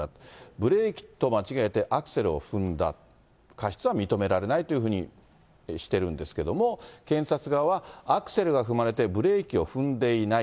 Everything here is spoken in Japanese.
ブレーキと間違えてアクセルを踏んだ過失は認められないというふうにしているんですけども、検察側は、アクセルが踏まれてブレーキを踏んでいない。